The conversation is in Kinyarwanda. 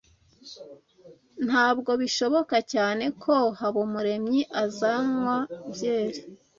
Ntabwo bishoboka cyane ko Habumuremyi azanywa byeri